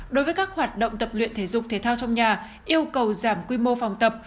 đối với các hoạt động tập luyện thể dục thể thao trong nhà yêu cầu giảm quy mô phòng tập